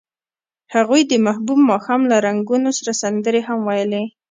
هغوی د محبوب ماښام له رنګونو سره سندرې هم ویلې.